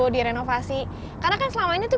direnovasi karena kan selama ini tuh